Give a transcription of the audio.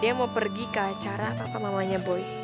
dia mau pergi ke acara papa mamanya boy